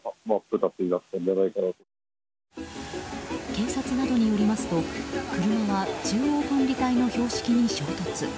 警察などによりますと車は中央分離帯の標識に衝突。